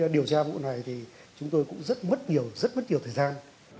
điều tra vụ này thì chúng tôi cũng rất mất nhiều thời gian